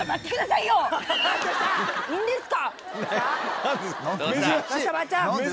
いいんですか？